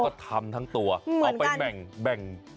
ก็ทำทั้งตัวเอาไปแบ่ง